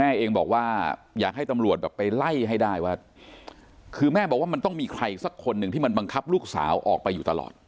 เองบอกว่าอยากให้ตำรวจแบบไปไล่ให้ได้ว่าคือแม่บอกว่ามันต้องมีใครสักคนหนึ่งที่มันบังคับลูกสาวออกไปอยู่ตลอด